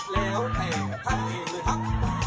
แล้วแค่ท่านเองเลยครับ